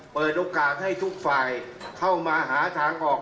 เปิดโอกาสให้ทุกฝ่ายเข้ามาหาทางออก